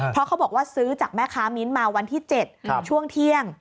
เพราะเขาบอกว่าซื้อจากแม่ค้ามิ้นท์มาวันที่๗ช่วงเที่ยง